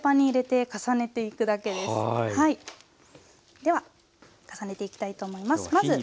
では重ねていきたいと思います。